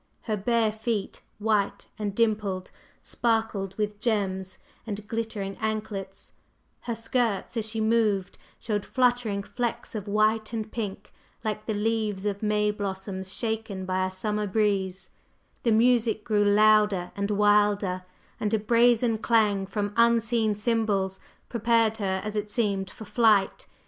Her bare feet, white and dimpled, sparkled with gems and glittering anklets; her skirts as she moved showed fluttering flecks of white and pink like the leaves of May blossoms shaken by a summer breeze; the music grew louder and wilder, and a brazen clang from unseen cymbals prepared her as it seemed for flight.